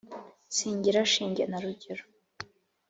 singira shinge na rugero